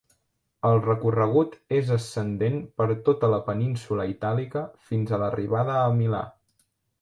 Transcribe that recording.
El recorregut és ascendent per tota la península Itàlica fins a l'arribada a Milà.